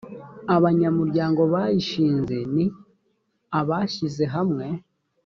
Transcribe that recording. abanyamuryango bayishinze ni abashyize hamwe.